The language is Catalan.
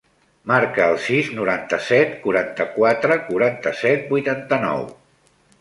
Marca el sis, noranta-set, quaranta-quatre, quaranta-set, vuitanta-nou.